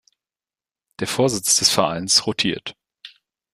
Der Vorsitz des Vereins rotiert.